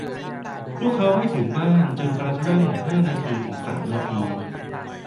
พวกเขาไม่ถึงบ้านจนกระทั่งห้านาทีถึงสามนาที